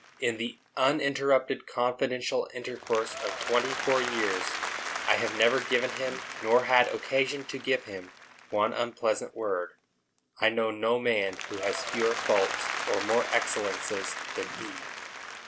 In the uninterrupted confidential intercourse of twenty four years, I have never given him, nor had occasion to give him, one unpleasant word. I know no man who has fewer faults or more excellences than he.